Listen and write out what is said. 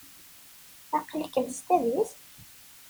Aql-ikem s tadist?